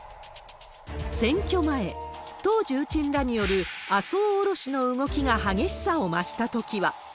選挙前、党重鎮らによる麻生降ろしの動きが激しさを増したときは。